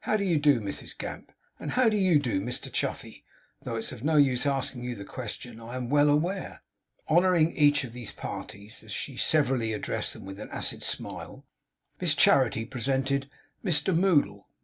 How do you do, Mrs Gamp? And how do you do, Mr Chuffey, though it's of no use asking you the question, I am well aware.' Honouring each of these parties, as she severally addressed them, with an acid smile, Miss Charity presented 'Mr Moddle.